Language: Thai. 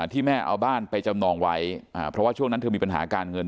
ที่แม่เอาบ้านไปจำนองไว้เพราะว่าช่วงนั้นเธอมีปัญหาการเงิน